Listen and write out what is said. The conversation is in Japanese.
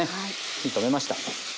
火止めました。